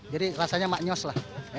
jadi rasanya maknyos lah